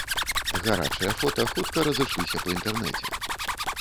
Гарачыя фота хутка разышліся па інтэрнэце.